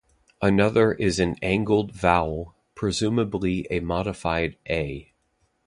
Another is an "angled vowel", presumably a modified A.